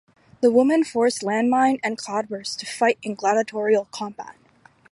The women forced Landmine and Cloudburst to fight in gladiatorial combat.